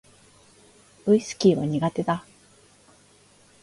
ウィスキーは苦手だ